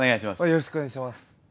よろしくお願いします。